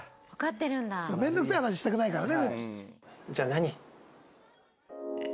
面倒くさい話したくないからね。